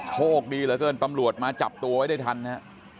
โชคดีเหลือเกินตำรวจมาจับตัวไว้ได้ทันนะฮะ